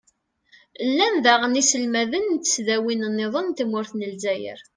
llan daɣen yiselmaden n tesdawin-nniḍen n tmurt n lezzayer.